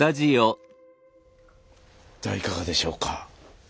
いかがでしょうか？